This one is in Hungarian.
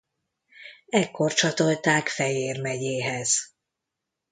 Ekkor csatolták Fejér megyéhez.